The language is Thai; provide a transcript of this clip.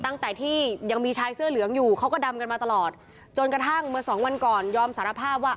ตั้งแต่ที่ยังมีชายเสื้อเหลืองอยู่เขาก็ดำกันมาตลอดจนกระทั่งเมื่อสองวันก่อนยอมสารภาพว่า